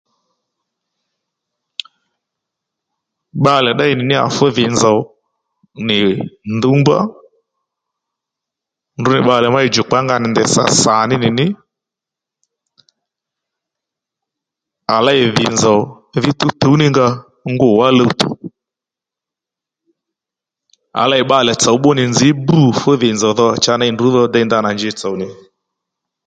Bbalè ddéy nì níyà fú dhì nzòw nì ndúwmbá ndrǔ nì bbalè má ì djòkpá nga nì ndèy sǎ sà ní nì ní à lêy dhì nzòw dhí tùwtùw ní nga ngû wá luwtò à lêy bbalè tsò bbú nì nzǐ bbrû fú dhì nzòw dhò cha ney ndrǔ dho dey ndanà njitsò nì